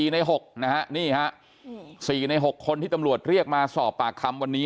ใน๖นะฮะนี่ฮะ๔ใน๖คนที่ตำรวจเรียกมาสอบปากคำวันนี้